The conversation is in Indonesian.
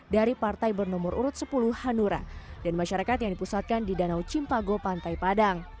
dari partai bernomor urut sepuluh hanura dan masyarakat yang dipusatkan di danau cimpago pantai padang